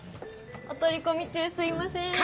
お取り込み中すいません。